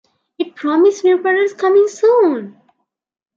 It promised new products "coming soon".